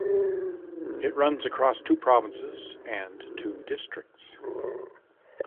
It runs across two provinces and two districts.